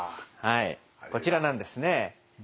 はいこちらなんですね。